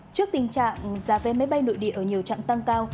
trước tình trạng giá vé máy bay nội địa ở nhiều trạng tăng cao